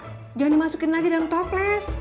jangan dimasukin lagi dalam toples